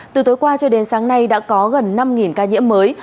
từ tối qua cho đến sáng nay đã có gần năm ca nhiễm mới